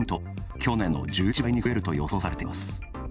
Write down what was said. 去年の１１倍に増えると予想されています。